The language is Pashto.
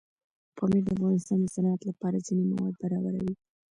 پامیر د افغانستان د صنعت لپاره ځینې مواد برابروي.